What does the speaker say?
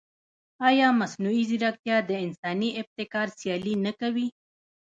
ایا مصنوعي ځیرکتیا د انساني ابتکار سیالي نه کوي؟